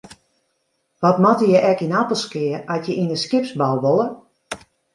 Wat moatte je ek yn Appelskea at je yn de skipsbou wolle?